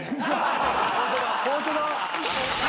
ホントだ。